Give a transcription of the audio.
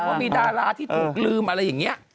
ว่ามีดาราที่ถูกลืมอะไรอย่างนี้